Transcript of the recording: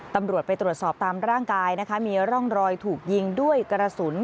ตำรวจไปตรวจสอบตามร่างกายนะคะมีร่องรอยถูกยิงด้วยกระสุน